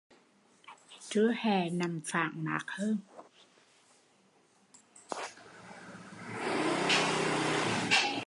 Trưa hè nằm phản mát hơn